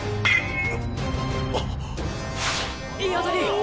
いい当たり！